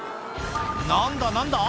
何だ何だ？